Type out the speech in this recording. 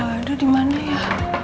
aduh dimana ya